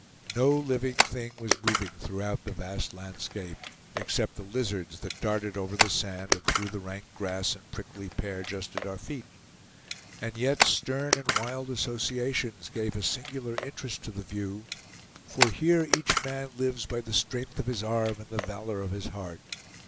No living thing was moving throughout the vast landscape, except the lizards that darted over the sand and through the rank grass and prickly pear just at our feet. And yet stern and wild associations gave a singular interest to the view; for here each man lives by the strength of his arm and the valor of his heart.